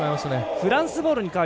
フランスボール。